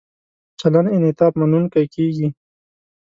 چلند انعطاف مننونکی کیږي.